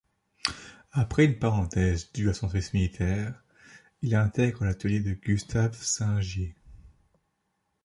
Après une parenthèse due à son service militaire, il intègre l'atelier de Gustave Singier.